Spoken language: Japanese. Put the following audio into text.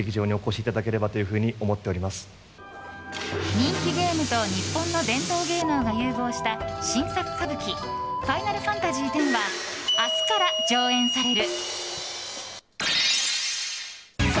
人気ゲームと日本の伝統芸能が融合した「新作歌舞伎ファイナルファンタジーＸ」は明日から上演される。